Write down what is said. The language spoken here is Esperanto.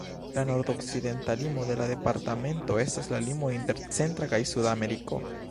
La nordokcidenta limo de la departamento estas la limo inter Centra kaj Suda Ameriko.